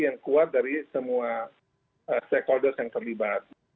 yang kuat dari semua stakeholders yang terlibat